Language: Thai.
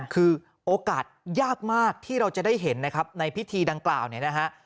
คือโอกาสยากมากที่เราจะได้เห็นนะครับในพิธีดังกล่าวเนี่ยนะฮะ